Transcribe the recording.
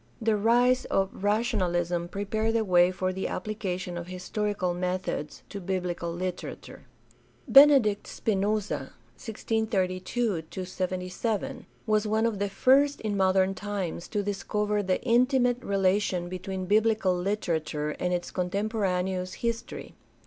/ The rise of rationalism prepared the way for the applica tion of historical methods to biblical literature. Benedict 462 GUIDE TO STUDY OF CHRISTIAN RELIGION Spinoza (1632 77) was one of the first in modern times to discover the intimate relation between biblical literature and its contemporaneous history.